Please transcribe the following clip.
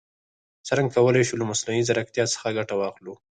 څرنګه کولای شو له مصنوعي ځیرکتیا څخه ګټه واخلو؟